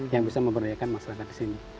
yang bisa memberdayakan masyarakat di sini